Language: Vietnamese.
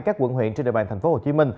các quận huyện trên địa bàn tp hcm